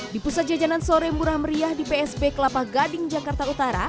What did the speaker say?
di pusat jajanan sore murah meriah di psb kelapa gading jakarta utara